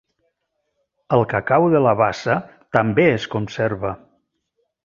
El cacau de la bassa també es conserva.